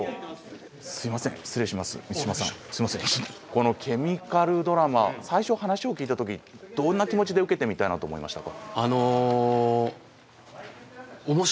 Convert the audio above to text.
このケミカルドラマ最初話を聞いた時どんな気持ちで受けてみたいなと思いましたか？